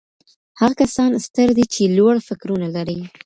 هغه کسان ستر دي چي لوړ فکرونه لري.